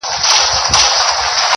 بیا د ښکلیو پر تندیو اوربل خپور سو!!